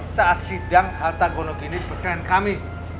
saat sidang harta gonok ini percayaan kami